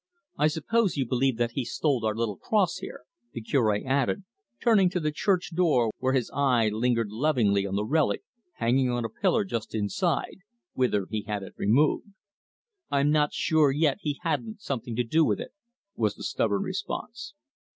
I suppose you believe that he stole our little cross here," the Cure added, turning to the church door, where his eye lingered lovingly on the relic, hanging on a pillar just inside, whither he had had it removed. "I'm not sure yet he hadn't something to do with it," was the stubborn response.